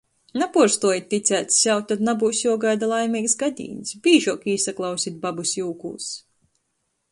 Napuorstuojit ticēt sev, tod nabyus juogaida laimeigs gadīņs... bīžuok īsaklausit babys jūkūs.